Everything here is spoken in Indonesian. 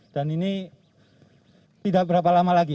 dan ini tidak berapa lama lagi